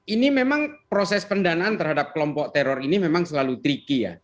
ini memang proses pendanaan terhadap kelompok teror ini memang selalu tricky ya